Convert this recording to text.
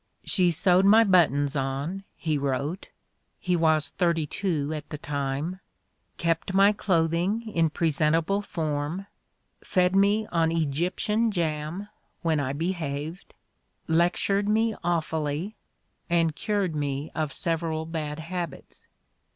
'' She sewed my but tons on," he wrote — he was thirty two at the time —'' kept my clothing in presentable form, fed me on Egyptian jam (when I behaved), lectured me awfully ... and cured me of several bad habits."